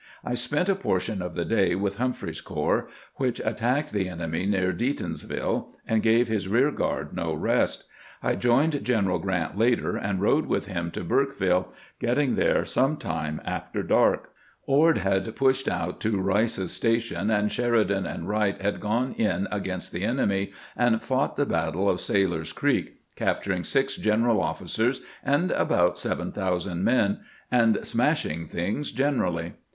I spent a portion of the day with Humphreys's corps, which attacked the enemy near Deatonsville and gave his rear guard no rest. I joined General Grant later, and rode with him 'to Burkeville, getting there some time after dark. Ord had pushed out to Eice's Station, and Sheridan and Wright had gone in against the enemy and fought the battle of Sailor's Creek, capturing 6 general officers and about 7000 men, and " smashing things " generally.